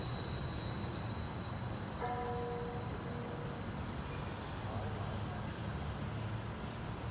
ตอนที่สุดตอนที่สุด